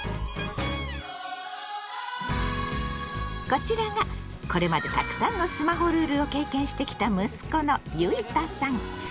こちらがこれまでたくさんのスマホルールを経験してきた息子のゆいたさん。